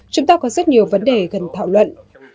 chúng ta có rất nhiều vấn đề cần thảo luận